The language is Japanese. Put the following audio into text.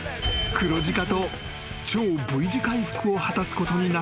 ［黒字化と超Ｖ字回復を果たすことになったのである］